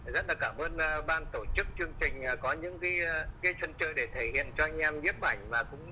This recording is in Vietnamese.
rất là cảm ơn ban tổ chức chương trình có những cái chân chơi để thể hiện cho anh em giúp ảnh và cũng